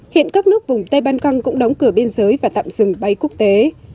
hiện các nước vùng tây ban căng cũng đóng cửa biên giới và tạm dừng bay quốc tế